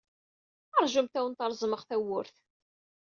Ṛjumt ad awent-reẓmeɣ tawwurt.